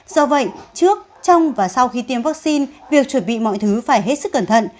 do vậy trước trong và sau khi tiêm vaccine việc chuẩn bị mọi thứ phải hết sức cẩn thận